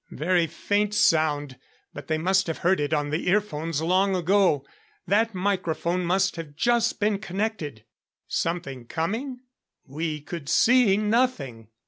Very faint sound, but they must have heard it on the ear phones long ago. That microphone must have just been connected " Something coming? We could see nothing.